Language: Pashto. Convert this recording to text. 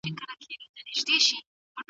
دا لوبه په ډېر مهارت سره ډیزاین شوې ده.